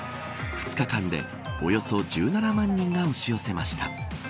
２日間で、およそ１７万人が押し寄せました。